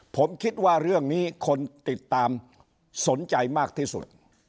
ผมคิดว่าเรื่องนี้คนติดตามสนใจมากที่สุด